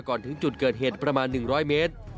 ถึงจุดเกิดเหตุประมาณ๑๐๐เมตร